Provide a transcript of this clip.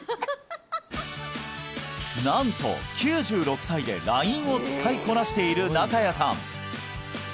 なんと９６歳でＬＩＮＥを使いこなしている中矢さん